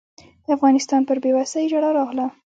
د افغانستان پر بېوسۍ ژړا راغله.